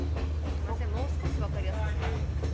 ◆すみません、もう少し分かりやすくお願いしますか。